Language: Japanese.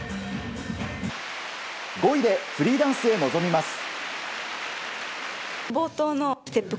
５位でフリーダンスへ臨みます。